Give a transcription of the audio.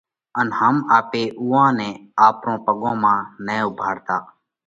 ان هم آپي اُوئا نئہ آپرون پڳون مانه نه اُوڀاڙتا